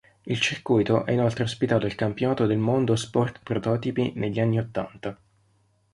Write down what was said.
Il circuito ha inoltre ospitato il Campionato del Mondo Sport Prototipi negli anni ottanta.